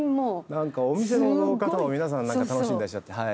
何かお店の方も皆さん何か楽しんでいらっしゃって。